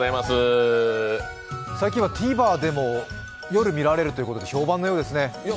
最近はＴＶｅｒでも夜見られるということで評判ですね。